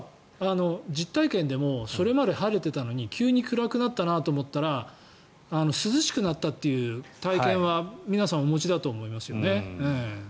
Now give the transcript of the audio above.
実体験でもそれまで晴れていたのに急に暗くなったなと思ったら涼しくなったという体験は皆さんお持ちだと思いますよね。